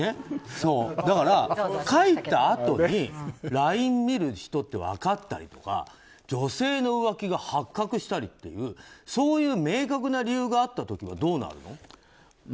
だから書いたあとにＬＩＮＥ見る人って分かったりとか女性の浮気が発覚したりっていうそういう明確な理由があった時はどうなるの？